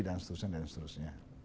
dan seterusnya dan seterusnya